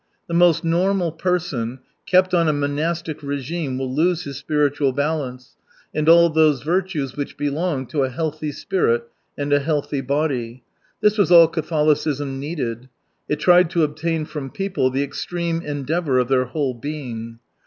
The most normal person, kept on a monastic r6gime, will lose his spiritual balance, and all those virtues which belong to a healthy spirit and a healthy body. This was all Catholicism needed. It tried to obtain from people the extreme endeavowr of their whole being.